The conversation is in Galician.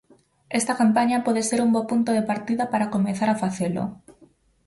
Esta campaña pode ser un bo punto de partida para comezar a facelo.